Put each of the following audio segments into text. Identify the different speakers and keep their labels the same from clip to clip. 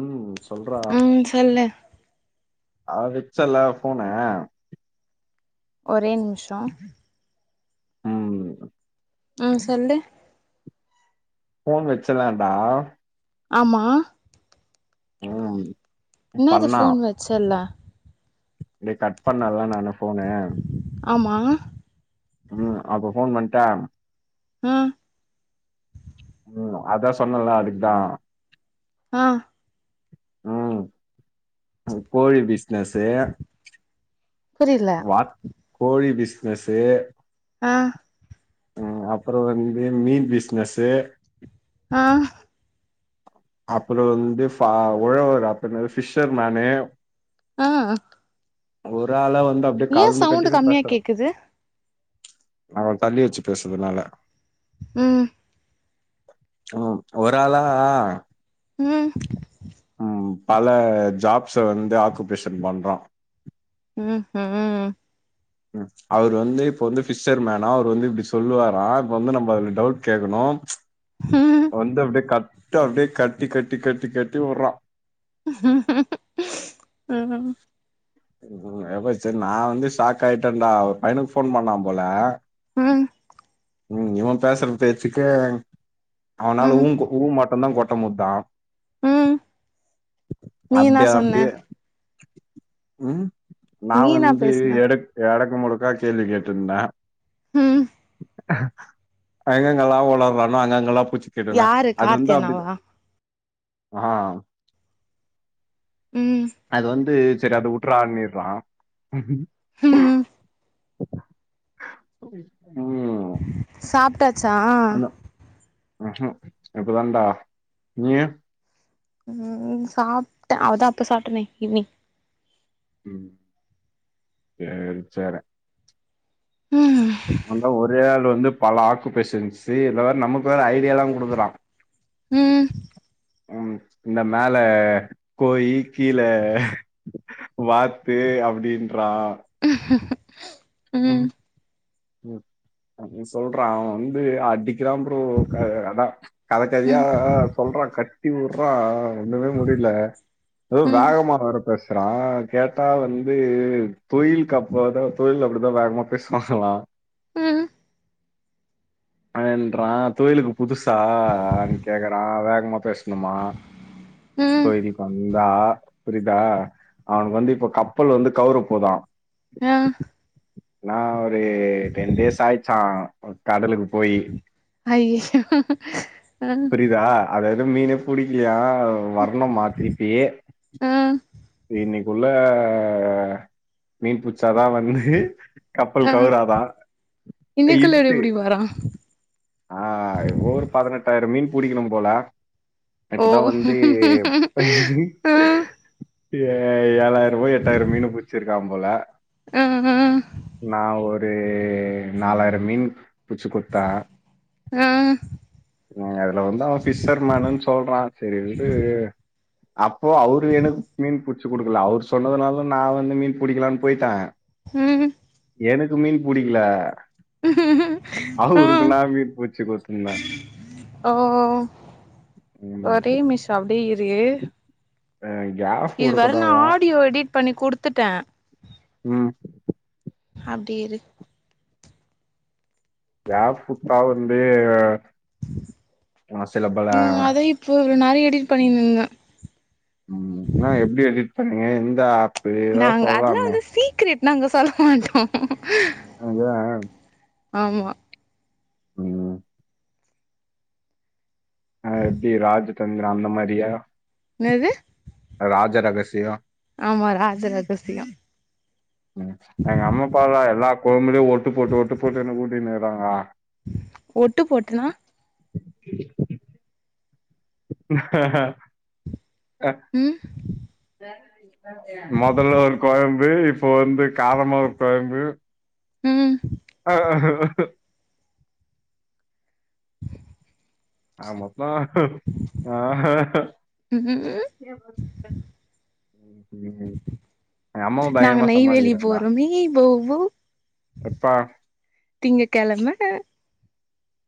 Speaker 1: ம் சொல்றா
Speaker 2: ம் சொல்லு
Speaker 1: ஆ வெச்சல்ல ஃபோனு
Speaker 2: ஒரே நிமிஷோ
Speaker 1: ம்
Speaker 2: ம் சொல்லு
Speaker 1: ஃபோன் வெச்சலன்டா
Speaker 2: ஆமா
Speaker 1: ம்
Speaker 2: இன்னாது ஃபோன் வெச்சல்ல
Speaker 1: இப்டி கட் பண்ணல்ல நானு ஃபோனு
Speaker 2: ஆமா
Speaker 1: ம் அப்ப ஃபோன் பண்டா
Speaker 2: ம்
Speaker 1: ம் அத்தா சொன்னல்ல அதுக்குதா
Speaker 2: ஆ
Speaker 1: ம் ம் கோழி பீஸ் ஜசே
Speaker 2: புரில
Speaker 1: வாட் கோழி பீஸ் ஜசே
Speaker 2: ஆ
Speaker 1: ம் அப்புறோ வந்து மீன் பிஸ்னஸு
Speaker 2: ஆ
Speaker 1: அப்புறோ வந்து ஃபா உழவரு அப்றோ என்னாது ஃபிஷர்மேனு
Speaker 2: ஆ
Speaker 1: ஒரு ஆளா வ
Speaker 2: ஏ சவுண்டு கம்மியா கேக்குது
Speaker 1: நா கொஞ்ச தள்ளி வெச்சு பேசறதுனால
Speaker 2: ம்
Speaker 1: ம் ஒராளா
Speaker 2: ம்
Speaker 1: பல ஜாப்ஸ வந்து ஆக்குபேஷன் பண்றோ
Speaker 2: ம் ஹும்
Speaker 1: ம் அவுரு வந்து இப்ப வந்து ஃபிஷர்மேன்னா அவுரு வந்து இப்பிடி சொல்லுவாரா இப்ப வந்து நம்ம அதுல டவுட் கேக்கணு வந்து அப்டியே கட்டு அப்டியே கட்டி கட்டி கட்டி கட்டி உடறா
Speaker 2: ம்
Speaker 1: ம் அப்ரோ சரி நா வந்து ஸாக் ஆய்ட்டன்டா ஒரு பையனுக் ஃபோன் பண்ணாம்போல
Speaker 2: ம்
Speaker 1: ம் இவம் பேசற பேச்சுக்கு அவனால ஊங்கு ஊமட் இவந்தா கொட்ட முத்தா
Speaker 2: ம் நீ என்னா
Speaker 1: அப்டியே
Speaker 2: சொன்ன
Speaker 1: அப்டியே ம் நா
Speaker 2: நீ என்னா
Speaker 1: வந்து
Speaker 2: பேசுன
Speaker 1: எடுக் எடக் குமுடக்கா கேள்வி கேட்டுருந்தே
Speaker 2: ம்
Speaker 1: எங்கங்கல்லா ஒளர்ரானோ அங்கங்கல்லா
Speaker 2: யாரு கார்த்தி அண்ணாவா
Speaker 1: ஆ
Speaker 2: ம்
Speaker 1: அது வந்து சேர் அத உட்ராண்ணிர்றா
Speaker 2: ம்
Speaker 1: [unintelligible]
Speaker 2: சாப்ட்டா ச்சா
Speaker 1: ம் ஹூம் இப்பதாண்டா நீயு
Speaker 2: ம் சாப்ட்ட அதா அப்ப சாப்ட்டனே ஈவ்னிங்
Speaker 1: ம் சேரி சேர
Speaker 2: ம்
Speaker 1: அந்த ஒரே ஆள் வந்து பல ஆக்குபேஷன்ஸ்ஸு இதல்ல நமக்கு வேற ஐடியாலா குடுக்குறா
Speaker 2: ம்
Speaker 1: ம் இந்த மேல கோயி கீழ வாத்து அப்டின்றா
Speaker 2: ம்
Speaker 1: உம் [unintelligible] ம் நி சொல்றா அவ வந்து அடி கிராம் ப்ரோ அதா கத கதையா
Speaker 2: ம்
Speaker 1: சொல்றான் கட் ச்சி உர்ரா ஒண்ணுமே முடில எதோ
Speaker 2: ம்
Speaker 1: வேகமா வேற பேசுறான் கேட்டா வந்து தொழில்க் அப்போதா தொழில் அப் குடுத்தா வேகமா பேசு வாங்கலா
Speaker 2: ம்
Speaker 1: ஆ ன்றா தொழிலுக்கு புதுசா அப்டீன் கேக்கறான் வேகமா பேசுனமா
Speaker 2: ம்
Speaker 1: தொழில்க் வந் தா புரிதா அவ்னுக்கு வந்து இப்ப கப்பல் வந்து கவுரப்போதான்
Speaker 2: ம்
Speaker 1: நா தே டென் டேஸ் ஆய்ச்சான் கடலுக்குப்
Speaker 2: ஹைஸ்
Speaker 1: புறிதா அதாது மீனேப் புடிக்லியா வர் னுமா திரிப்பி
Speaker 2: ஆ ஆ
Speaker 1: இன்னிக்குள்ள மீன் புச் ச்சதா வந்து கப்பல்
Speaker 2: ஆ
Speaker 1: கவுறாதா
Speaker 2: இன்னைக்குள்ள
Speaker 1: இன்ட்டு
Speaker 2: எப்டி வரா
Speaker 1: அ ஓவொரு பதுனெட்டாயிர மீன் புடிக்கிணு போல
Speaker 2: ஓ
Speaker 1: இப்பதா வந்து
Speaker 2: ஆ
Speaker 1: [unintelligible] ஏ ஏழாய்ர் போய் எட்டாய்ர மீனு புட்ச்சிர் கா போல
Speaker 2: ஆ
Speaker 1: நா ஒர் ரு நாலாயர மீன் புச்சு குத்தா
Speaker 2: ம்
Speaker 1: அவன் ஃபிஷர் மேனுன்னு அப் ஓ அவரு எனுக் மீன் புடு குடுக்கல அவரு சொன்னதுனால நா வந்து மீன் புடிக்கலான்னு போயிட்ட
Speaker 2: ம்
Speaker 1: எனுக்கு மீன் புடிக்ல
Speaker 2: ஆ
Speaker 1: அவருக்கு நா மீன் புடுச் குடுத்ந்த
Speaker 2: ஓ ஓ
Speaker 1: ம்.
Speaker 2: ஒரே மிஷா அப்டியே இரு
Speaker 1: அ கேப்
Speaker 2: இதுவர நா
Speaker 1: விடக்கூடாதாம்.
Speaker 2: ஆடியோ எடிட் பண்ணி குடுத்துட்ட
Speaker 1: ம்
Speaker 2: அப்டி இருக்
Speaker 1: கேப் புட்டா வந்து நா சிலபல
Speaker 2: ம் அதா இப்போ இவ்ளோ நேரோ எடிட் பண்ணிருந்தே
Speaker 1: ம் ன்ன எப்டி எடிட் சொல்லுங்க எந்த ஆப்
Speaker 2: நாங்க அதெல்லா வந்து சீக்ரெட் நாங்க சொல்ல மாட்டோம்
Speaker 1: அதா
Speaker 2: ஆமா
Speaker 1: ம் ஆ எப்டி ராஜதந்திரோ அந்த மாரியா
Speaker 2: என்னது
Speaker 1: ராஜ ரகசியோ
Speaker 2: ஆமா ராஜரகசியோ
Speaker 1: ம் எங்க அம்மா அப்பாலா எல்லாப் கொழம்புலே ஒட்டு போட்டு ஒட்டு போட்டு என்ன ஊட்டினிருக்காங்க
Speaker 2: ஒட்டு போட்டுனா
Speaker 1: [inaudible] [inaudible] கட்
Speaker 2: ம்
Speaker 1: தர் மொதல்ல ஒரு கொலம்பு இப்போ வந்து காரமா ஒரு கொலம்பு
Speaker 2: ம்
Speaker 1: ஆ ஆமப்பா [unintelligible]
Speaker 2: ம்
Speaker 1: எங்கம்மாவு
Speaker 2: நாங்க
Speaker 1: பயங்கரமா
Speaker 2: நெய்வேலி
Speaker 1: சமாளிக்
Speaker 2: போறோமே போவோ
Speaker 1: [unintelligible]
Speaker 2: திங்கக்கெழம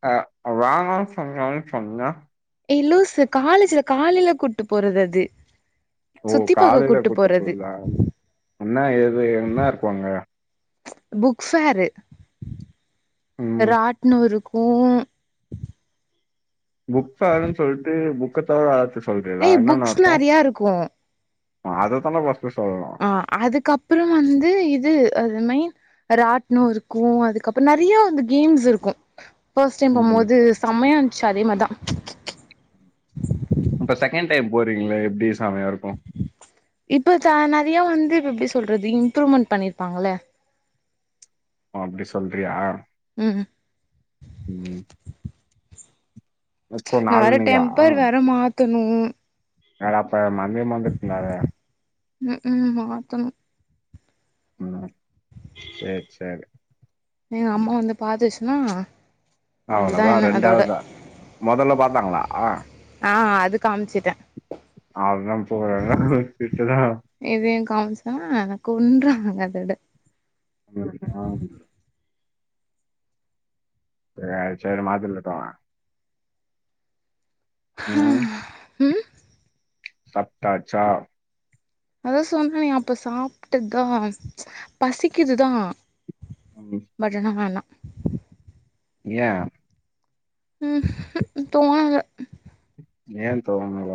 Speaker 1: ஆ வாங்க சொன்னன் சொன்ன
Speaker 2: ஏய் லூசு காலேஜ்ல காலையில கூட்டு போறது அது
Speaker 1: ஓ
Speaker 2: சுத்தி பாக்க
Speaker 1: காலையில கூட்டு
Speaker 2: போறது
Speaker 1: போறத என்ன ஏது என்ன இருக்கும்அங்க
Speaker 2: புக் ஃபேர்
Speaker 1: ம்
Speaker 2: ராட்ணம் இருக் போவ
Speaker 1: புக் ஃபேர் னு சொல்லிட்டு புக்க தவர [unintelligible]
Speaker 2: ஏய் புக்ஸ் நிறைய இருக்கும்
Speaker 1: அததான் ஃபர்ஸ்ட் சொ
Speaker 2: ஆ அதுக்கு அப்புறம் வந்து இது ஆ [unintelligible] ராட்ணம் இருக்கும் அதுக்கப்புறம் நெறைய வந்து கேம்ஸ் இருக்கும் ஃபர்ஸ்ட் டைம்
Speaker 1: ம்
Speaker 2: போமோது செமயா ச் அதே மர்தா
Speaker 1: இப்ப செகண்ட் டைம் போறீங்கள்ல எப்டி செமையாரு ம்
Speaker 2: இப்பத்தா நறையா வந்து இப்ப எப்டி சொல்றது இம்ப்ரூவ்மெண் பண்ணிருப்பாங்கல
Speaker 1: அ அப்டி சொல்றியா
Speaker 2: ம் ம்
Speaker 1: ம் இப்போ
Speaker 2: நா வேற
Speaker 1: நாலனிக்கா
Speaker 2: டெம்பர் வேற மா த்தனு
Speaker 1: அட அப்ப [unintelligible]
Speaker 2: ம்ஹு மாத்தனு
Speaker 1: ம் சரி சரி
Speaker 2: எங்க அம்மா வந்து பாத்துச்சு ன்னா
Speaker 1: அவ்ளதா ரண்டாவ்தா மொதல்ல பா த்தாங்ளா ஆ
Speaker 2: ஆ அ அது காம்ச்சிட்டே
Speaker 1: அவன்தான் போறாங்க திட்டுதான்
Speaker 2: இதையு காம்சா கொன்றுவா அதோட
Speaker 1: [unintelligible] சேர் சேரி [unintelligible]
Speaker 2: ஹ ம்
Speaker 1: சப்டாச்சா
Speaker 2: அதா சொன்னனே அப்ப சாப்ட்டுத்தா பசிக்கிதுதா
Speaker 1: ம்
Speaker 2: பட் ஆனா வேணா
Speaker 1: ஏ
Speaker 2: ம் ஹும் தோணல
Speaker 1: ஏ தூங்கல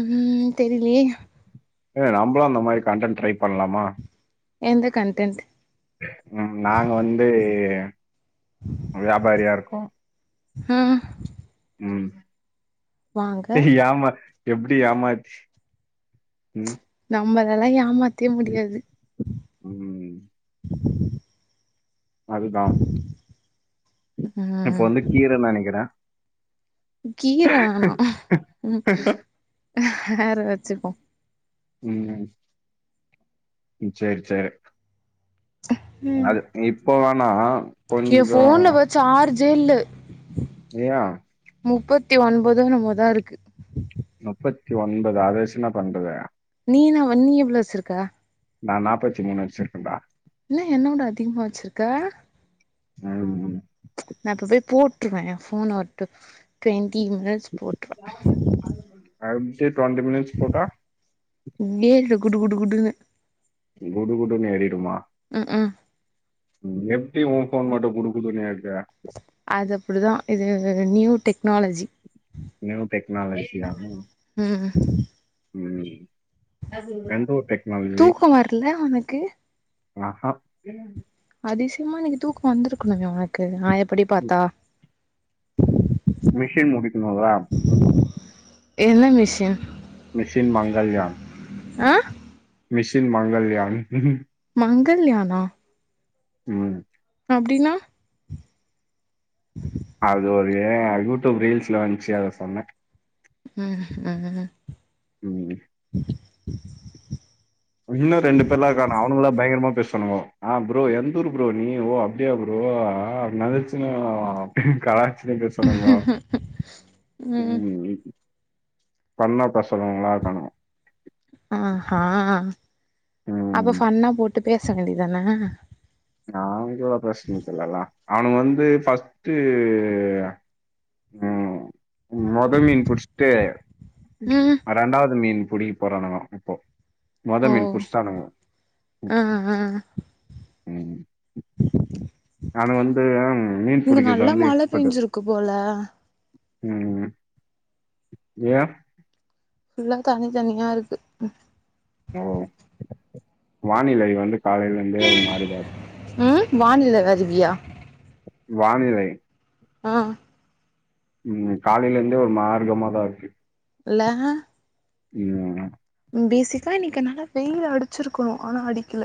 Speaker 2: ம் தெரிலியே
Speaker 1: ஏங்க நம்புளு அந்த மாரி கண்டன் ட்ரை பண்லாமா
Speaker 2: எந்த கன்டென்ட்
Speaker 1: ம் நாங்க வந்து வியாபாரியா இருக்கோ
Speaker 2: ஹ
Speaker 1: ம் தெரியாம எப்டி ஏமாத்தி ம்
Speaker 2: அம்பதலைய்யா ஆமாத்தியே முடியாது
Speaker 1: ம் அதுதா இப்ப
Speaker 2: ம்
Speaker 1: வந்து கீர நா நிக்கிறே
Speaker 2: கீர வேணா ம் வேற வச்சிப்போ
Speaker 1: ம் ம் சேரி சேரி அது [unintelligible] போவோனா
Speaker 2: ய ஃபோன்ல வேற சார்ஜ் நிள்ளு
Speaker 1: யா
Speaker 2: த்தி ஒன்பதும் என்னோமோ தா இருக்கு
Speaker 1: முப்பத்தி ஒன்பது அதவச்சி என்ன பண்றது
Speaker 2: நீ நா வன்னி எவ்ளோ வச்சுருக்க
Speaker 1: நா நாப்பத்தி மூணு வச்சிருக்க ப
Speaker 2: என்ன என்ன விட அதிகமா வச்சிருக்க
Speaker 1: ம்
Speaker 2: ச் நான் இப்ப போய் போற்றுவ எ ஃபோன் ஒட்டு டிவென் தீ மினஸ் போட்டுரவா
Speaker 1: டொன்ட்டி மினிட்ஸ் போட்டா
Speaker 2: குட்டு குட்டு குட்டுங்க
Speaker 1: குடு குடு ஏறிடுமா
Speaker 2: ம் ம்
Speaker 1: ம் எப்டி உ ஃபோன் மட்டு குடு குடு ஏறு
Speaker 2: அது அப்படிதான் இது இது நியூ டெக்னாலஜி
Speaker 1: நியூ டெக்னாலஜி ஆ
Speaker 2: ஹம்
Speaker 1: ம்
Speaker 2: தூக்கம் வரல உனக்கு
Speaker 1: ஆ ஹா
Speaker 2: அதிசியமா இன்னிக்கு தூக்கம் வந்திருக்கனுமே உனக்கு நாயப்படி பாத்தா
Speaker 1: மிஷின் முடிக்கனும்ல
Speaker 2: என்ன மிஷின்
Speaker 1: மிஷின் மங்கல்யான்
Speaker 2: அ
Speaker 1: மிஷின் மங்கல்யான்
Speaker 2: மங்கல்யானா
Speaker 1: ம்
Speaker 2: அப்டின்னா உம்
Speaker 1: அது ஒரு யூ டியூப் ரீல்ஸ்ல வந்துச்சு அத சொன்னேன்
Speaker 2: ம் ம்
Speaker 1: ம் இன்னும் ரெண்டு பேர்லாம் காணும் அவனுங்களா [unintelligible] ஆ ப்ரோ எந்த ஊர் ப்ரோ நீ ஓ அப்டியா ப்ரோ ஆ [unintelligible] ஆ கலாய்ச் [unintelligible] பேச சொன்னாங்களா ம் ஃபன்னா பேசறவங்களா இருக்கானுங்கோ
Speaker 2: அ ஆ அப்ப
Speaker 1: ம்
Speaker 2: ஃபண்ணா போட் போய் பேச வேண்டி தானே
Speaker 1: அவனு வந்து ஃபஸ்ட்டு ம் மொத மீன் புச்ட்டு
Speaker 2: ம்
Speaker 1: ரெண்டாவது மீன் புடிக்க போறானுங்கோ இப்போ
Speaker 2: ஓ
Speaker 1: மதமின் புஷ்ட்டானுங்கோ
Speaker 2: ஆ ஆ
Speaker 1: ம் ஆனா வந்து மீன்
Speaker 2: இங்க
Speaker 1: பிடிக்கறதுல
Speaker 2: நல்லா
Speaker 1: வந்து
Speaker 2: மழ
Speaker 1: எக்ஸ்பர்ட்டு
Speaker 2: பெஞ்சிருக்கு போல
Speaker 1: ம் ஏ
Speaker 2: ஃபுல்லா தண்ணி தண்ணியா இருக்கு
Speaker 1: ஓ வானிலை வந்து காலையில இருந்தே ஒரு மாரிதா இருக்கு
Speaker 2: ம் வானில வருவியா
Speaker 1: வானிலை
Speaker 2: ஆ
Speaker 1: ம் காலையில இருந்தே ஒரு மார்க்கமாதா இருக்கு
Speaker 2: இல்லா
Speaker 1: ம்
Speaker 2: பேசிக்கா இன்னிக்கு நல்லா வெயில் அடிச்சிருக்கணும் ஆனா அடிக்கல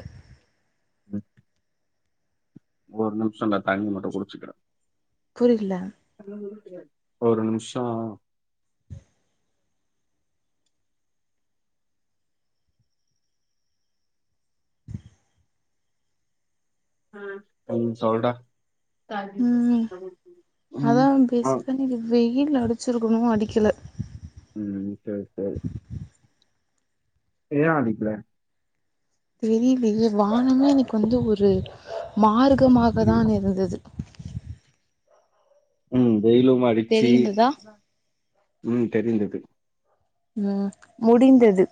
Speaker 1: ம் ஒரு நிமிஷம்டா தண்ணி மட்டு குடிச்சுக்கிறேன்
Speaker 2: புரில
Speaker 1: ஒரு நிமிஷோ ம் கொஞ் சொல்ற
Speaker 2: ம்
Speaker 1: ம் அ
Speaker 2: வீட்ல அடிச்சிருக்கணு அடிக்கல
Speaker 1: ம் சரி ஏ அடிப்பே
Speaker 2: தெரியலையே வானமே எனக்கு வந்து ஒரு மாரு க்கமாக தான் இருந்தது
Speaker 1: ம் வெயயிலும் அடிச்சு
Speaker 2: தெரிந்ததா
Speaker 1: ம் தெரி்ந்தது
Speaker 2: நா முடிந்தது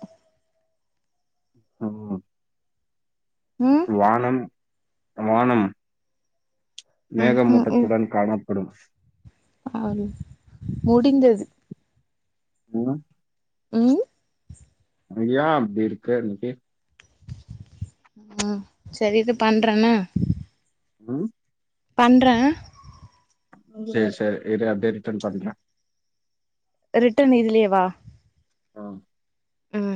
Speaker 1: ஆமா
Speaker 2: ம்
Speaker 1: வானன் வானம்
Speaker 2: ம்
Speaker 1: மேகமூட்டதுடன் காண படும்
Speaker 2: ஆரு முடிந்தது
Speaker 1: இன்ன
Speaker 2: ம்
Speaker 1: ஐயா அப்டி இருக்கறியே
Speaker 2: ம் சரி இது பண்றணா
Speaker 1: ம்
Speaker 2: பன்ற
Speaker 1: சேர் செரி இருஅப்டியே ரிட்டர்ன் பண்ற
Speaker 2: ரிட்டர்ன் இதுலியேவா
Speaker 1: அ
Speaker 2: ம்